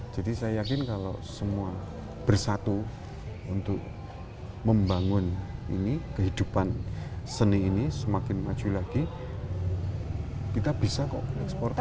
jadi saya yakin kalau semua bersatu untuk membangun ini kehidupan seni ini semakin maju lagi kita bisa kok ekspor ke lain